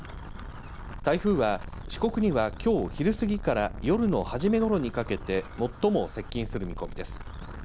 台風は四国にはきょう昼過ぎから夜の初めごろにかけて最も接近する見込みです。